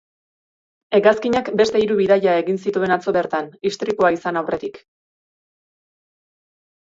Hegazkinak beste hiru bidaia egin zituen atzo bertan, istripua izan aurretik.